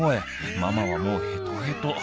ママはもうヘトヘト。